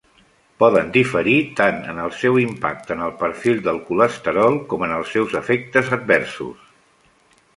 Poden diferir tant en el seu impacte en el perfil del colesterol com en els seus afectes adversos.